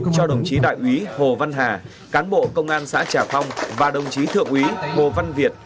cho đồng chí đại úy hồ văn hà cán bộ công an xã trà phong và đồng chí thượng úy hồ văn việt